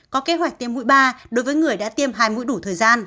có kế hoạch tiêm mũi ba đối với người đã tiêm hai mũi đủ thời gian